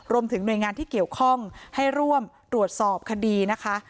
รวมถึงหน่วยงานที่เกี่ยวข้องให้ร่วมตรวจสอบคดีนะคะ